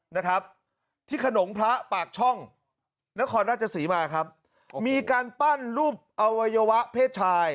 นะครับที่ขนมพระปากช่องนครราชศรีมาครับมีการปั้นรูปอวัยวะเพศชาย